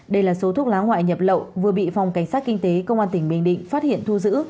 đây là số thuốc lá ngoại nhập lậu vừa bị phòng cảnh sát kinh tế công an tỉnh bình định phát hiện thu giữ